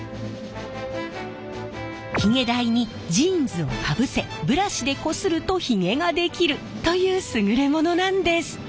ヒゲ台にジーンズをかぶせブラシでこするとヒゲができるという優れものなんです。